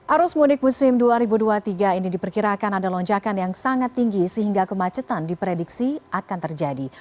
arus mudik musim dua ribu dua puluh tiga ini diperkirakan ada lonjakan yang sangat tinggi sehingga kemacetan diprediksi akan terjadi